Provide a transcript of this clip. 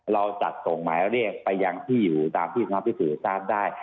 เราจัดส่งหมายเรียกไปยังที่อยู่ตามที่สำนักพิสูจน์ทราบได้